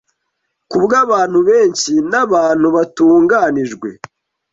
kubwabantu benshi nabantu batunganijwe